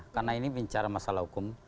karena ini bicara masalah hukum